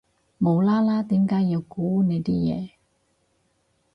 無啦啦點解要估你啲嘢